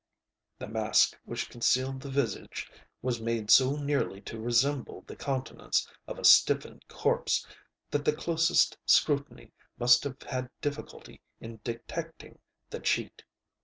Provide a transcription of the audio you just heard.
The mask which concealed the visage was made so nearly to resemble the countenance of a stiffened corpse that the closest scrutiny must have had difficulty in detecting the cheat.